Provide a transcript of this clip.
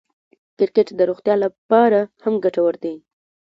کرکټ د روغتیا له پاره هم ګټور دئ.